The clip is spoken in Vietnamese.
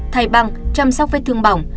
thay băng chăm sóc vết thương bỏng